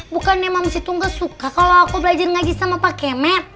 bukannya moms itu gak suka kalau aku belajar ngaji sama pak kemet